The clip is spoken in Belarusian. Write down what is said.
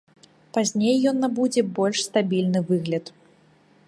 Пазней ён набудзе больш стабільны выгляд.